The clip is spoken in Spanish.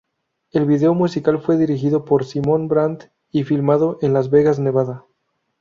El vídeo musical fue dirigido por Simón Brand y filmado en Las Vegas, Nevada.